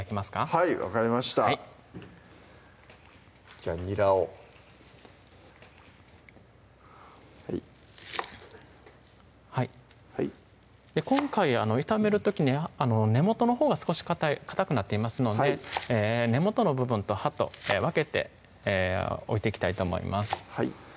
はい分かりましたじゃあにらを今回炒める時に根元のほうが少しかたくなっていますので根元の部分と葉と分けて置いていきたいと思います